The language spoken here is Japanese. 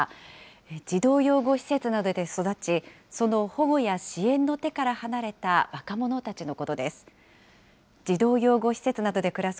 児童養護施設などで育ち、その保護や支援の手から離れた若者たちのことです。